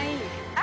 あ！